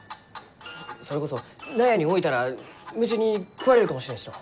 それこそ納屋に置いたら虫に食われるかもしれんしの。